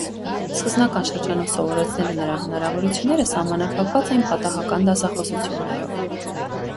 Սկզբնական շրջանում սովորեցնելու նրա հնարավորությունները սահմանափակված էին պատահական դասախոսություններով։